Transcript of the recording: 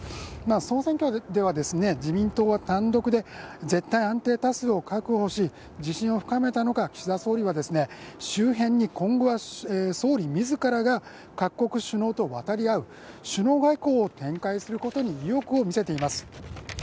総選挙では、自民党は単独で絶対安定多数を確保し自信を深めたのか、岸田総理は周辺に今後は総理自らが各国首脳と渡り合う、首脳外交を展開することに意欲を見せています。